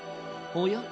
おや？